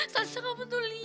saat itu kamu tuh liat